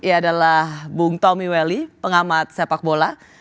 ia adalah bung tommy welly pengamat sepak bola